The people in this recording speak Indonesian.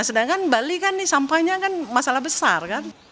sedangkan bali kan sampahnya masalah besar